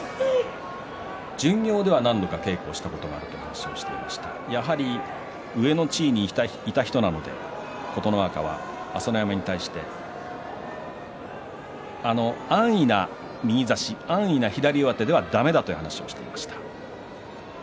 巡業では何度か稽古をしたことがあるということですが上の地位にいた人なので琴ノ若が朝乃山に対して安易な右足、安易な左上手ではだめだという話をしていました。